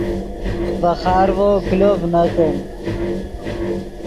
ڤے خارڤو کلو ڤنتے